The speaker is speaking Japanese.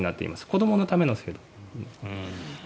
子どものための制度。